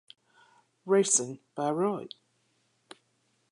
Racing Beirut